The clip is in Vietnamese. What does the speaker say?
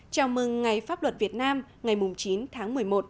chào mừng ngày pháp luật việt nam ngày chín tháng một mươi một